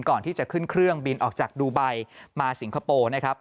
ก่อนที่จะขึ้นเครื่องบินออกจากดูไบมาสิงคโปร์นะครับ